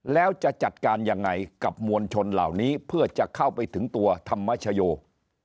แล้วจะจัดการยังไงกับมวลชนเหล่านี้เพื่อจะเข้าไปถึงตัวธรรมชโยค